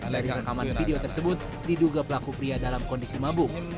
dari rekaman video tersebut diduga pelaku pria dalam kondisi mabuk